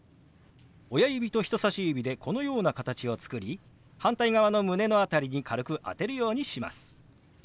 親指と人さし指でこのような形を作り反対側の胸の辺りに軽く当てるようにします。